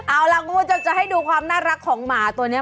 เอาล่ะคุณผู้ชมจะให้ดูความน่ารักของหมาตัวนี้